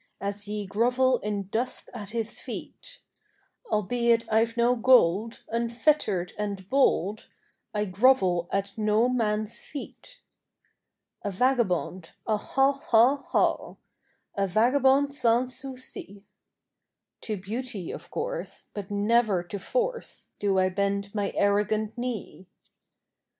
As ye grovel in dust at his feet; Albeit I've no gold, unfettered and bold, I grovel at no man's feet. A vagabond, Aw, haw, haw, haw! A vagabond sans souci! To beauty, of course, but never to force, Do I bend my arrogant knee!